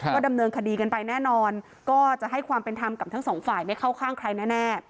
ก็ดำเนินคดีกันไปแน่นอนก็จะให้ความเป็นธรรมกับทั้งสองฝ่ายไม่เข้าข้างใครแน่